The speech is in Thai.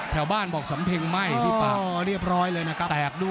แถวบ้านบอกศัมเพงใหม่พี่บาก